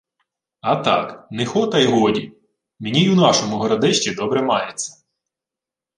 — А так, не хо, та й годі. Мені й у нашому Городищі добре мається.